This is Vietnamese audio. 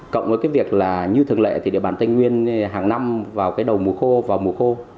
cộng với cái việc là như thường lệ thì để bán tên nguyên hàng năm vào cái đầu mùa khô vào mùa khô